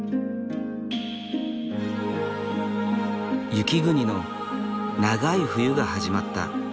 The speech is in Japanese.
雪国の長い冬が始まった。